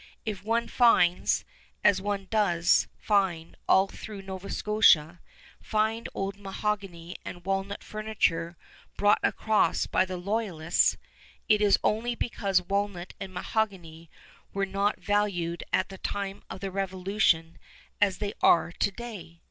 If one finds, as one does find all through Nova Scotia, fine old mahogany and walnut furniture brought across by the Loyalists, it is only because walnut and mahogany were not valued at the time of the Revolution as they are to day.